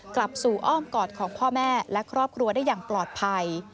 กลับสู่อ้อมกอดของพ่อแม่และครอบครัวได้อย่างปลอดภัย